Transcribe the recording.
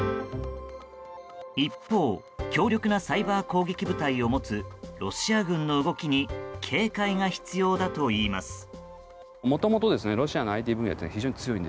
一方強力なサイバー攻撃部隊を持つロシア軍の動きに警戒が必要だといいます。